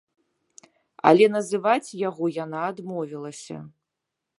Але называць яго яна адмовілася.